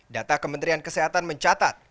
data kementerian kesehatan mencatat